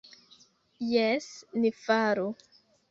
Jes, ni faru.